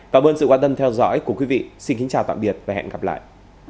cảm ơn sự quan tâm theo dõi của quý vị xin kính chào tạm biệt và hẹn gặp lại